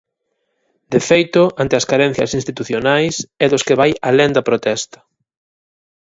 De feito, ante as carencias institucionais, é dos que vai alén da protesta.